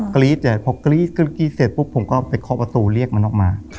กรี๊ดเลยพอกรี๊ดเสร็จปุ๊บผมก็ไปเคาะประตูเรียกมันออกมา